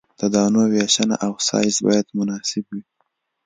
د دانو ویشنه او سایز باید مناسب وي